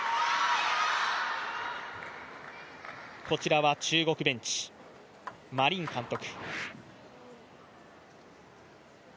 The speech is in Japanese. こちらは中国ベンチ、馬琳監督。